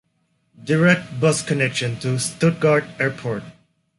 Direct bus connection to Stuttgart Airport.